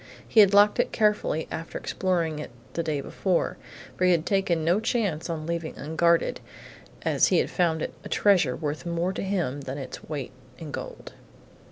He had locked it carefully after exploring it the day before, for he had taken no chance on leaving unguarded as he had found it treasure worth more to him than its weight in gold.